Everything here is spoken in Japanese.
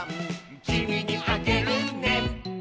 「きみにあげるね」